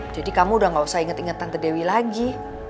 jadi kamu udah gak usah inget inget tante dewi lagi